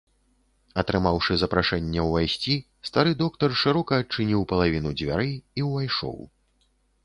Атрымаўшы запрашэнне ўвайсці, стары доктар шырока адчыніў палавіну дзвярэй і ўвайшоў.